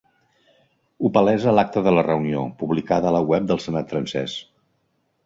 Ho palesa l’acta de la reunió, publicada a la web del senat francès.